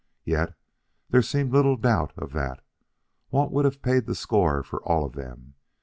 Yes, there seemed little doubt of that; Walt would have paid the score for all of them....